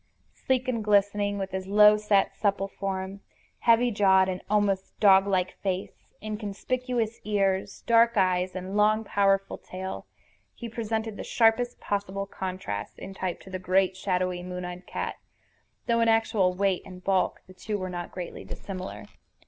Sleek and glistening, with his low set supple form, heavy jawed and almost dog like face, inconspicuous ears, dark eyes, and long, powerful tail, he presented the sharpest possible contrast in type to the great, shadowy, moon eyed cat, though in actual weight and bulk the two were not greatly dissimilar.